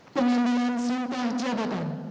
pengambilan sintah jabatan